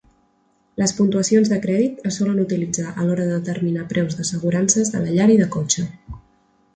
Les puntuacions de crèdit es solen utilitzar a l'hora de determinar preus d'assegurances de la llar i de cotxe.